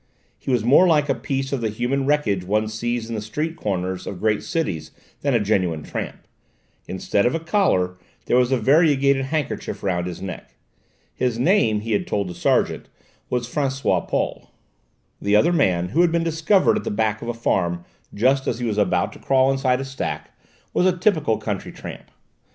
He was more like a piece of the human wreckage one sees in the street corners of great cities than a genuine tramp. Instead of a collar, there was a variegated handkerchief round his neck. His name, he had told the sergeant, was François Paul. The other man, who had been discovered at the back of a farm just as he was about to crawl inside a stack, was a typical country tramp.